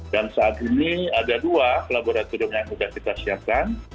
dan saat ini ada dua laboratorium yang sudah kita siapkan